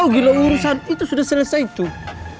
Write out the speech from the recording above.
oh gila urusan itu sudah selesai tuh